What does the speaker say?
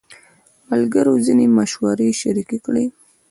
ملګرو ځینې مشورې شریکې کړې.